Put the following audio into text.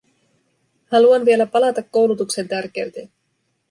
Haluan vielä palata koulutuksen tärkeyteen.